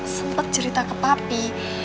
sempat cerita ke papi